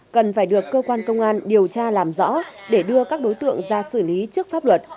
cần phải được cơ quan công an điều tra làm rõ để đưa các đối tượng ra xử lý trước pháp luật